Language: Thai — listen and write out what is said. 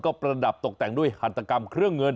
ก็ประดับตกแต่งด้วยหัตกรรมเครื่องเงิน